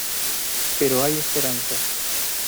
pero hay esperanza.